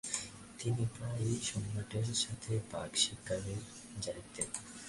তিনি প্রায়ই সম্রাটের সাথে বাঘ শিকারে জেতেন।